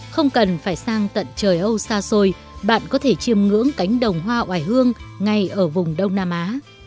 không cần phải sang tận trời âu xa xôi bạn có thể chiêm ngưỡng cánh đồng hoa hoài hương ngay ở vùng đông nam á